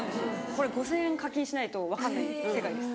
これ５０００円課金しないと分かんない世界です。